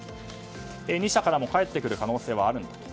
２社からも返ってくる可能性はあるんだと。